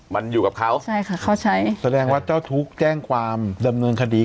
มันอยู่กับเขาใช่ค่ะเขาใช้แสดงว่าเจ้าทุกข์แจ้งความดำเนินคดี